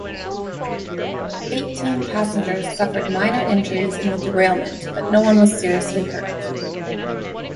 Eighteen passengers suffered minor injuries in the derailment, but no one was seriously hurt.